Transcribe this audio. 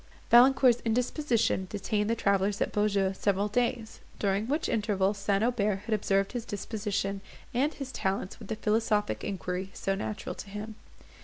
Valancourt's indisposition detained the travellers at Beaujeu several days, during which interval St. Aubert had observed his disposition and his talents with the philosophic inquiry so natural to him.